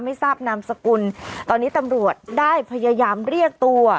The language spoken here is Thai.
ไม่ทราบนามสกุลตอนนี้ตำรวจได้พยายามเรียกตัว